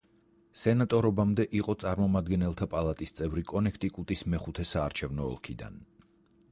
სენატორობამდე, იყო წარმომადგენელთა პალატის წევრი კონექტიკუტის მეხუთე საარჩევნო ოლქიდან.